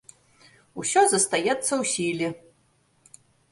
Усё застаецца ў сіле.